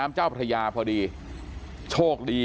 พี่บูรำนี้ลงมาแล้ว